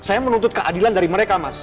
saya menuntut keadilan dari mereka mas